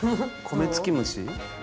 コメツキムシ。